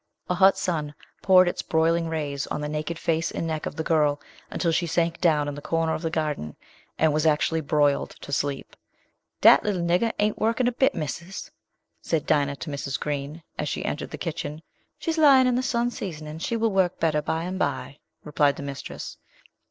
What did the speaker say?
A hot sun poured its broiling rays on the naked face and neck of the girl, until she sank down in the corner of the garden, and was actually broiled to sleep. "Dat little nigger ain't working a bit, missus," said Dinah to Mrs. Green, as she entered the kitchen. "She's lying in the sun, seasoning; she will work better by and by," replied the mistress.